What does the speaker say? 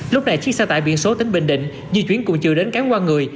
lúc này chiếc xe tải biển số tính bình định di chuyển cùng chừa đến cán qua người